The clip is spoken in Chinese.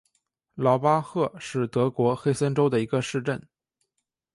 劳巴赫是德国黑森州的一个市镇。